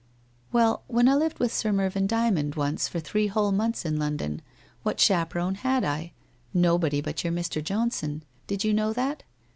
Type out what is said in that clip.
' Well, when I lived with Sir Mervyn Dymond, once, for three whole months in London, what chaperon had I? Nobody but your Mr. Johnson. Did you know that?